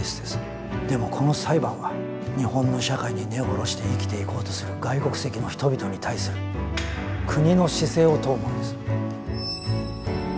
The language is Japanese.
でもこの裁判は日本の社会に根を下ろして生きていこうとする外国籍の人々に対する国の姿勢を問うものです。